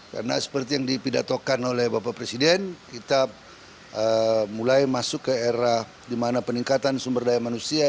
karena seperti yang dipidatokan oleh bapak presiden kita mulai masuk ke era di mana peningkatan sumber daya manusia